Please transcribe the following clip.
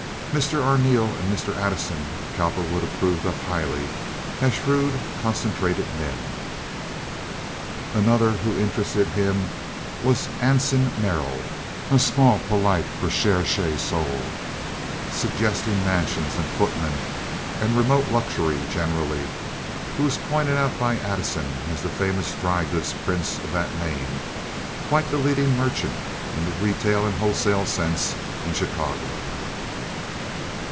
Mr. Arneel and Mr. Addison Cowperwood approved of highly as shrewd, concentrated men. Another who interested him was Anson Merrill, a small, polite, recherche soul, suggesting mansions and footmen and remote luxury generally, who was pointed out by Addison as the famous dry goods prince of that name, quite the leading merchant, in the retail and wholesale sense, in Chicago.